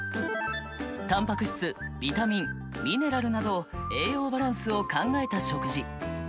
タンパク質ビタミンミネラルなど栄養バランスを考えた食事。